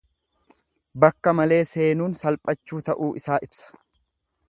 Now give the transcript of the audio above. Bakka malee seenuun salphachuu ta'uu isaa ibsa.